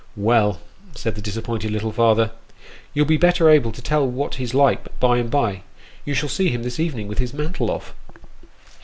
" Well !" said the disappointed little father, " you'll be better able to tell what he's like by and by. You shall see him this evening with his mantle off."